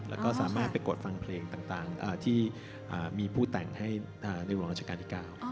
แล้วก็สามารถไปกดฟังเพลงต่างที่มีผู้แต่งให้ในหลวงราชการที่๙